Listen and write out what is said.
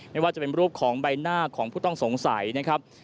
ไม่ว่าจะเป็นรูปของใบหน้าของผู้ต้องสงสัยนะครับ